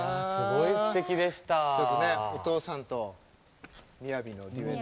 ちょっとねお父さんと雅のデュエット。